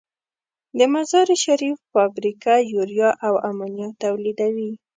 د مزارشریف فابریکه یوریا او امونیا تولیدوي.